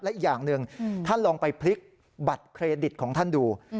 และอีกอย่างหนึ่งท่านลองไปพลิกบัตรเครดิตของท่านดู